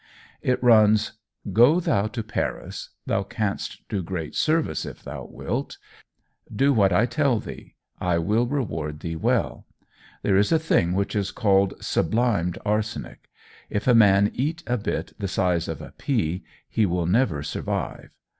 It runs: "Go thou to Paris; thou canst do great service if thou wilt. Do what I tell thee; I will reward thee well. There is a thing which is called sublimed arsenic; if a man eat a bit the size of a pea, he will never survive.